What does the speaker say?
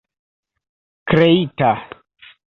kreita